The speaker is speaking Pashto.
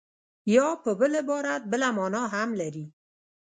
یا په بل عبارت بله مانا هم لري